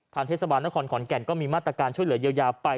เทศบาลนครขอนแก่นก็มีมาตรการช่วยเหลือเยียวยาไป